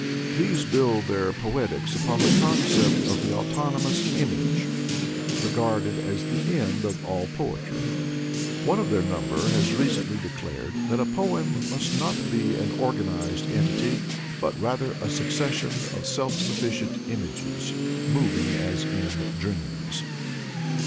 These build their poetics upon the concept of the autonomous image, regarded as the end of all poetry. ] 1 xviii Introduction One of their number has recently dedared that a poem must be not an organized entity, but rather a succession of such self sufficient images, moving as in dreams.